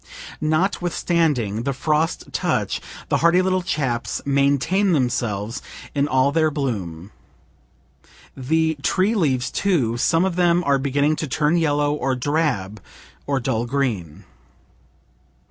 Notwithstanding the frost touch the hardy little chaps maintain themselves in all their bloom. The tree leaves, too, some of them are beginning to turn yellow or drab or dull green.